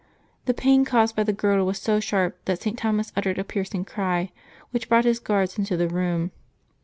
The paia caused by the girdle was so sharp that St. Thomas uttered a piercing cry, which brought his guards into the room.